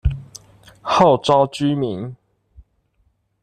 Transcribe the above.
號召居民